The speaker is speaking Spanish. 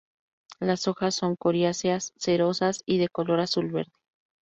Las hojas son coriáceas, cerosas, y de color azul-verde.